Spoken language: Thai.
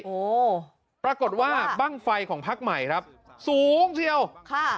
โอ้ปรากฏว่าบ้างไฟของพักใหม่ครับสูงเชียวค่ะ